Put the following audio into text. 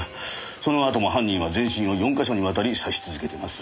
そのあとも犯人は全身を４か所にわたり刺し続けています。